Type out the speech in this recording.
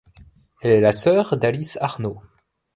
Elle est la sœur d'Alice Arno.